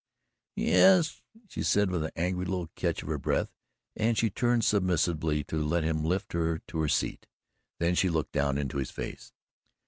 "Yes," she said with an angry little catch of her breath, and she turned submissively to let him lift her to her seat. Then she looked down into his face.